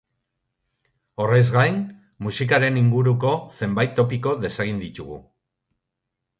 Horrez gain, musikaren inguruko zenbait topiko desegin ditugu.